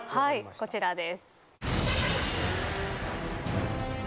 こちらです。